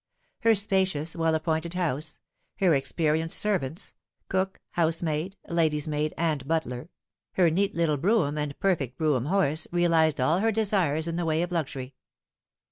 Her spacious, well appointed house ; her experienced servants cook, housemaid, lady's maid, and butler ; her neat little brougham and perfect brougham horse realised all her desires in the way of luxury.